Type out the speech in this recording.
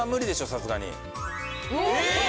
さすがにええ！？